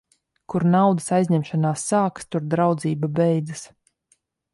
Kur naudas aizņemšanās sākas, tur draudzība beidzas.